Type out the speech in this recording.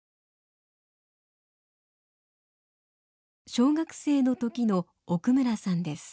小学生の時の奥村さんです。